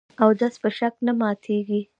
اودس په شک نه ماتېږي .